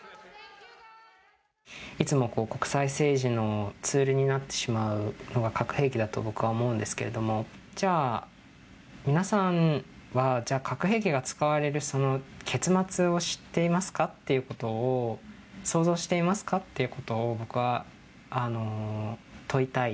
いつも国際政治のツールになってしまうのが核兵器だと、僕は思うんですけども、じゃあ、皆さんは、じゃあ、核兵器が使われるその結末を知っていますかっていうことを、想像していますかっていうことを、僕は問いたい。